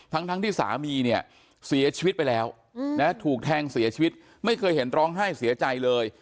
ทั้งที่สามีเนี่ยเสียชีวิตไปแล้วถูกแทงเสียชีวิตไม่เคยเห็นร้องไห้เสียใจเลย